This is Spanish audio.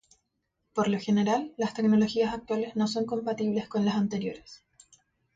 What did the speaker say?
Por lo general, las tecnologías actuales no son compatibles con las anteriores.